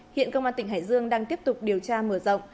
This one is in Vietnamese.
hiện công an tỉnh hải dương đang tiếp tục điều tra mở rộng